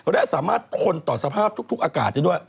และสามารถทนต่อสภาพทุกอากาศได้ด้วย